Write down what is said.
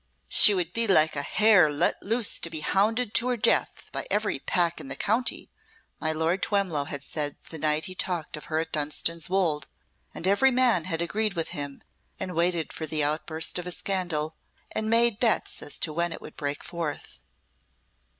"She would be like a hare let loose to be hounded to her death by every pack in the county," my Lord Twemlow had said the night he talked of her at Dunstan's Wolde, and every man agreed with him and waited for the outburst of a scandal, and made bets as to when it would break forth.